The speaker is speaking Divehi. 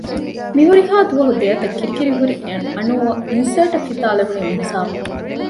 މިހުރިހާ ދުވަހު ދެއަތަށް ކިރިކިރި ހުރި އަނޫއަށް އިންސާރޓަށް ފިތާލެވުނީ މިހިސާބުން